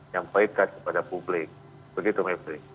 yang baikkan kepada publik begitu mbak ibrie